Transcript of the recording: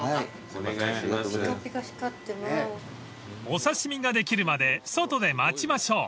［お刺し身ができるまで外で待ちましょう］